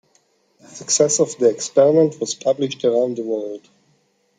The success of the experiment was published around the world.